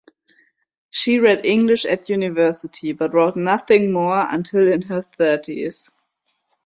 She read English at university, but wrote nothing more until in her thirties.